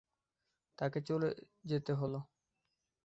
তাকে চলে যেতে হল।